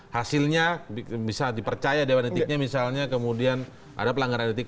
hasilnya bisa dipercaya dewan etiknya misalnya kemudian ada pelanggaran etik